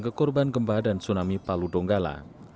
ke korban gempa dan tsunami palu donggala